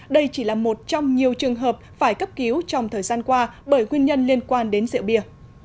đây chỉ là một trong nhiều trường hợp phải cấp cứu trong thời gian qua bởi nguyên nhân liên quan đến rượu bia